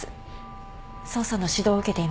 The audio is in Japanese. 捜査の指導を受けています。